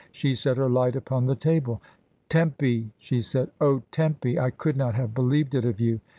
She set her light upon the table. "Tempyl" she said. 0h! Tempy, I could not have believed it of you.